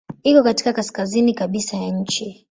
Iko katika kaskazini kabisa ya nchi.